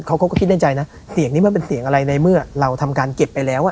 เขาก็คิดในใจนะเสียงนี้มันเป็นเสียงอะไรในเมื่อเราทำการเก็บไปแล้วอ่ะ